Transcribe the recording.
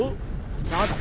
ちょっと！